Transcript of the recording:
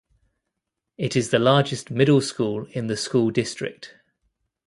It is the largest middle school in the school district.